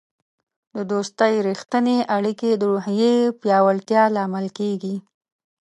د دوستی رښتیني اړیکې د روحیې پیاوړتیا لامل کیږي.